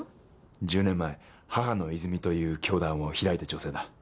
１０年前母之泉という教団を開いた女性だ。